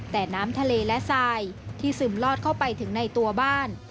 แต่น้ำทะเลและทรายที่ซึมลอดเข้าไปถึงในตัวบ้าน